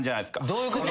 どういうこと？